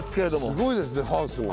すごいですねハウスが。